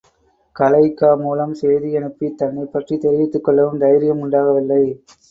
கலெய்க்கா மூலம் செய்தியனுப்பித் தன்னைப்பற்றித் தெரிவித்துக் கொள்ளவும் தைரியம் உண்டாகவில்லை.